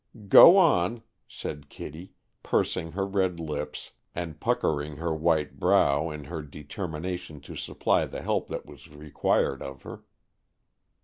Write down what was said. "Go on," said Kitty, pursing her red lips and puckering her white brow in her determination to supply the help that was required of her.